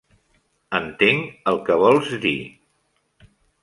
Entenc el que vols dir.